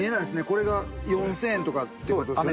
これが４０００円とかって事ですよね。